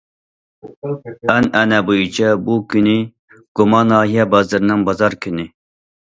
ئەنئەنە بويىچە بۇ كۈنى گۇما ناھىيە بازىرىنىڭ بازار كۈنى.